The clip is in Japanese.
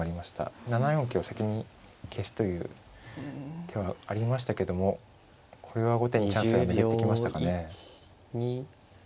７四桂を先に消すという手はありましたけどもこれは後手にチャンスが巡ってきましたかね。